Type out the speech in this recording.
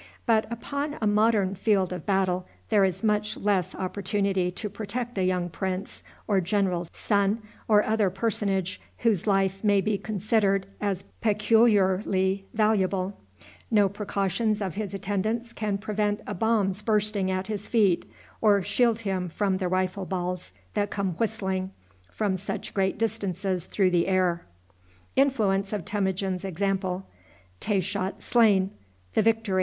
But upon a modern field of battle there is much less opportunity to protect a young prince or general's son, or other personage whose life may be considered as peculiarly valuable. No precautions of his attendants can prevent a bomb's bursting at his feet, or shield him from the rifle balls that come whistling from such great distances through the air.